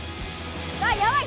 わっやばい！